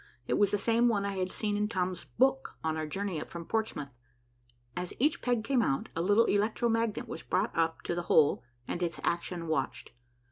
It was the same one I had seen in Tom's book on our journey up from Portsmouth. As each peg came out, the little electro magnet was brought up to the hole and its action watched.